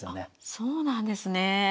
あそうなんですね。